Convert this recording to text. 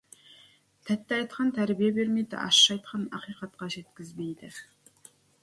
Тәтті айтқан тәрбие бермейді, ащы айтқан ақиқатқа жеткізбейді.